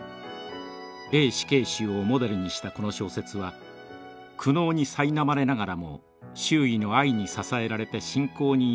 Ａ死刑囚をモデルにしたこの小説は苦悩にさいなまれながらも周囲の愛に支えられて信仰に至る物語です。